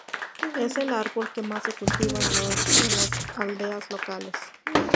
Es el árbol que más se cultiva en las aldeas locales.